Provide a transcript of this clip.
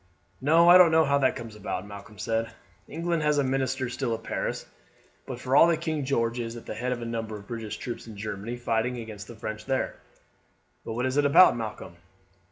"No, I don't know how that comes about," Malcolm said. "England has a minister still at Paris; but for all that King George is at the head of a number of British troops in Germany fighting against the French there." "But what is it about, Malcolm?"